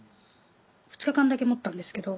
２日間だけ持ったんですけど。